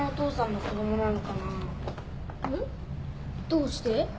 どうして？